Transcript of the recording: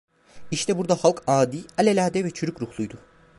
İşte burada halk adi, alelade ve çürük ruhluydu.